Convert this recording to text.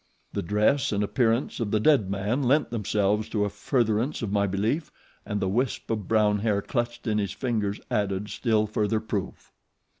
The dress and appearance of the dead man lent themselves to a furtherance of my belief and the wisp of brown hair clutched in his fingers added still further proof."